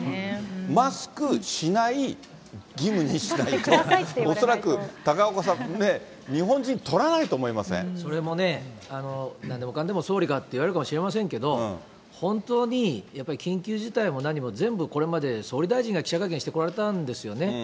マスクしない義務にしないと、恐らく高岡さんね、日本人、それもね、なんでもかんでも総理かっていわれるかもしれませんけど、本当にやっぱり緊急事態も何も、全部、これまで総理大臣が記者会見してこられたんですよね。